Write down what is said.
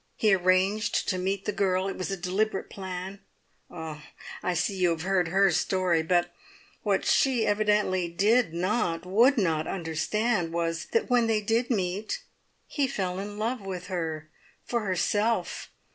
He arranged to meet the girl it was a deliberate plan. Ah! I see you have heard her story; but what she evidently did not, would not, understand, was, that when they did meet, he fell in love with her for herself!